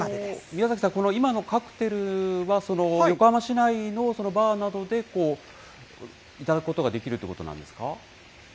宮崎さん、この今のカクテルは、横浜市内のバーなどで、頂くことができるということなんですか？